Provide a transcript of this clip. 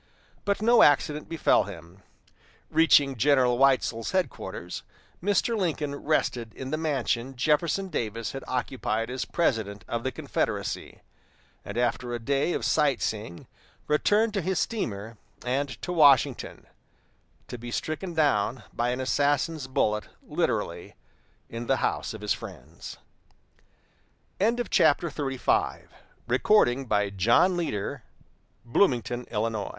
But no accident befell him. Reaching General Weitzel's headquarters, Mr. Lincoln rested in the mansion Jefferson Davis had occupied as President of the Confederacy, and after a day of sight seeing returned to his steamer and to Washington, to be stricken down by an assassin's bullet, literally "in the house of his friends." XXXVI Lincoln's Interviews with Campbell Withdraws Authority for Meeting of Virgin